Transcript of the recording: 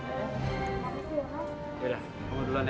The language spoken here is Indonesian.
yaudah kamu duluan ya